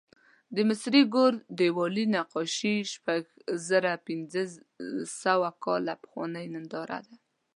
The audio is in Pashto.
د مصري ګور دیوالي نقاشي شپږزرهپینځهسوه کاله پخوانۍ ننداره ده.